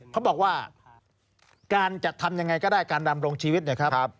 เขาบอกว่าการจัดทำยังไงก็ได้การดำรงชีวิตเนี่ยครับ